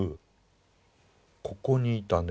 ここにいたね